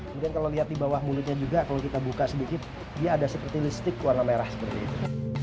kemudian kalau lihat di bawah mulutnya juga kalau kita buka sedikit dia ada seperti listrik warna merah seperti itu